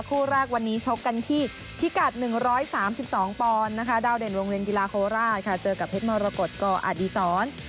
คู่แรกวันนี้ชกกันที่พิกัด๑๓๒ปอนด์นะคะดาวเด่นวงเวียนกีฬาโคราชค่ะเจอกับเพชรมรกฏกอดีศร